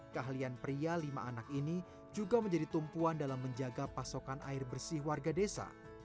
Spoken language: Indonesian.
keahlian pria lima anak ini juga menjadi tumpuan dalam menjaga pasokan air bersih warga desa